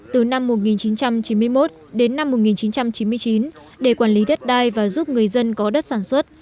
từ năm một nghìn chín trăm chín mươi một đến năm một nghìn chín trăm chín mươi chín để quản lý đất đai và giúp người dân có đất sản xuất